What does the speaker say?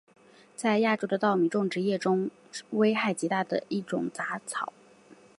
在亚洲的稻米种植业中是危害极大的一种杂草。